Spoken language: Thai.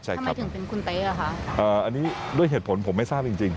อันนี้ด้วยเหตุผลผมไม่ทราบจริง